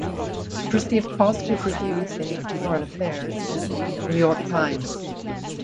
It received positive reviews in "Foreign Affairs" and "The New York Times".